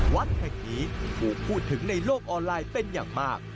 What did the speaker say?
วัดแห่งนี้ถูกพูดถึงในโลกออนไลน์เป็นอย่างมาก